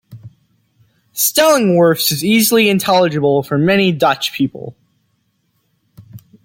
Stellingwarfs is easily intelligible for many Dutch people.